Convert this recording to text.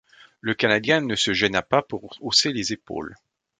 Le Canadien ne se gêna pas pour hausser les épaules.